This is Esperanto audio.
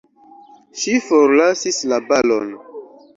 Ŝi forlasis la balon!